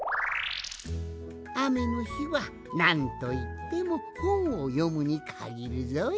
あめのひはなんといってもほんをよむにかぎるぞい。